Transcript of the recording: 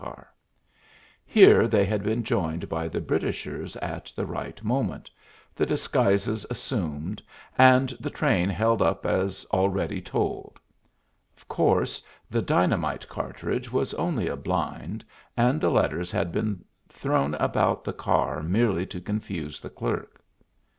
Here they had been joined by the Britishers at the right moment, the disguises assumed, and the train held up as already told. Of course the dynamite cartridge was only a blind, and the letters had been thrown about the car merely to confuse the clerk.